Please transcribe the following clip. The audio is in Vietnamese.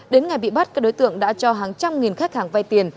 đến ngày bị bắt các đối tượng đã cho hàng trăm nghìn khách hàng vay tiền